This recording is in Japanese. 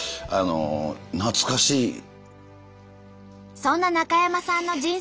そんな中山さんの人生